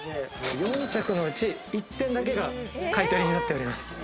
４着のうち１点だけが買取になっております。